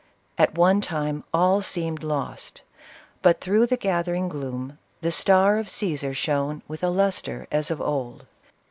At one time all seemed lost. But through the gathering gloom, the star of Caesar shone with a lustre as of old.